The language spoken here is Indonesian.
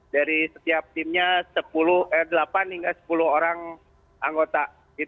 dari setiap timnya delapan hingga sepuluh orang anggota